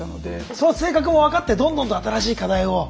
その性格も分かってどんどんと新しい課題を。